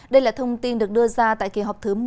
đây là thông tin được đưa ra tại kỳ họp thứ một mươi